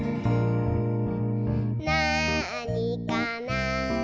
「なあにかな？」